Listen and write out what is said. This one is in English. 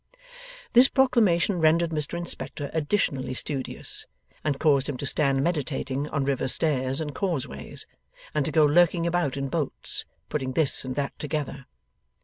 This Proclamation rendered Mr Inspector additionally studious, and caused him to stand meditating on river stairs and causeways, and to go lurking about in boats, putting this and that together.